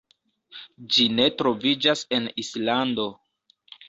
Ĝi ne troviĝas en Islando.